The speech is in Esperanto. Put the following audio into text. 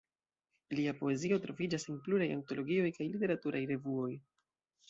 Lia poezio troviĝas en pluraj antologioj kaj literaturaj revuoj.